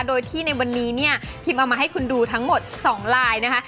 โดยที่ในวันนี้เนี่ยพิมพ์เอามาให้คุณดูทั้งหมด๒ลายนะคะ